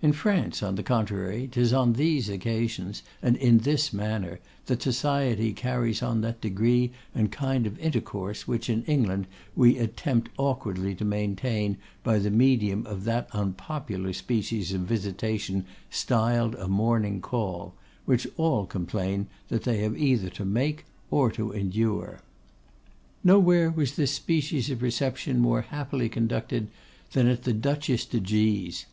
In France, on the contrary, 'tis on these occasions, and in this manner, that society carries on that degree and kind of intercourse which in England we attempt awkwardly to maintain by the medium of that unpopular species of visitation styled a morning call; which all complain that they have either to make or to endure. Nowhere was this species of reception more happily conducted than at the Duchess de G t's.